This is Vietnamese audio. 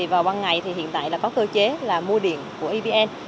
vào băng ngày thì hiện tại có cơ chế là mua điện của evn